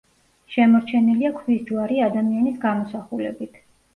შემორჩენილია ქვის ჯვარი ადამიანის გამოსახულებით.